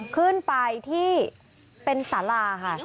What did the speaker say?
คลื่นไปที่เป็นสร้าค่ะ